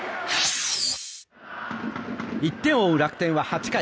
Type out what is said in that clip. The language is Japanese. １点を追う楽天は８回。